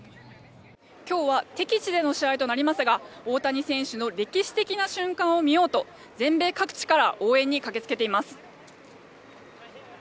今日は敵地での試合となりますが大谷選手の歴史的な瞬間を見ようと全米各地から応援に駆けつけています。